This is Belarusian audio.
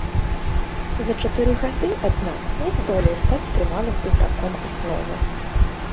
За чатыры гады, аднак, не здолеў стаць трывалым іграком асновы.